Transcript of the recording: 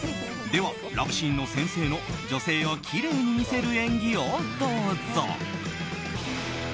では、ラブシーンの先生の女性をきれいに見せる演技をどうぞ。